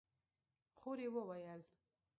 خور يې وويل: